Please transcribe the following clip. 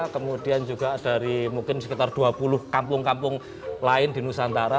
kemudian juga dari mungkin sekitar dua puluh kampung kampung lain di nusantara